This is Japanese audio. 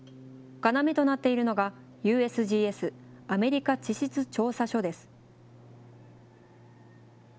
要となっているのが、ＵＳＧＳ・アメリカ地質調査所です。